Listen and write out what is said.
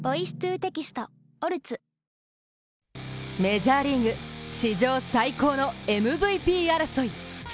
メジャーリーグ、史上最高のＭＶＰ争い。